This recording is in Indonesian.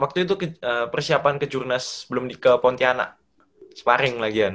waktu itu persiapan ke jurnas belum ke pontianak sparring lagian